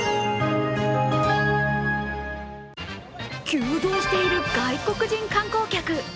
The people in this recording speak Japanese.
急増している外国人観光客。